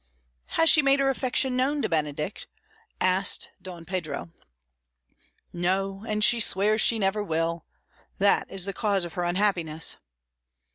"Has she made her affection known to Benedick?" asked Don Pedro. "No, and swears she never will; that is the cause of her unhappiness."